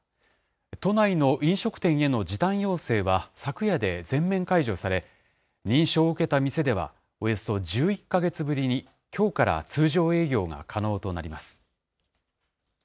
都内の飲食店への時短要請は昨夜で全面解除され、認証を受けた店では、およそ１１か月ぶりにきょうから通常営業が可能となります。